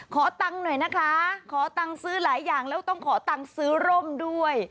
ขอตังค์หน่อยนะคะขอตังค์ซื้อหลายอย่างแล้วต้องขอตังค์ซื้อร่มด้วย